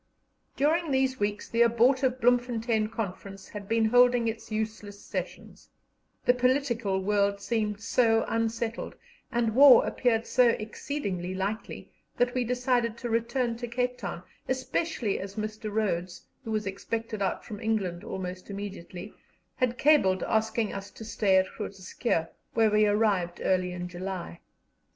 During these weeks the abortive Bloemfontein Conference had been holding its useless sessions; the political world seemed so unsettled, and war appeared so exceedingly likely, that we decided to return to Cape Town, especially as Mr. Rhodes, who was expected out from England almost immediately, had cabled asking us to stay at Groot Schuurr, where we arrived early in July.